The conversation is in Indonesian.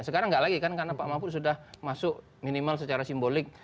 sekarang nggak lagi kan karena pak mahfud sudah masuk minimal secara simbolik